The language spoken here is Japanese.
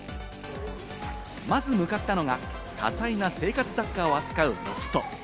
まず向かったのが、多彩な生活雑貨を扱うロフト。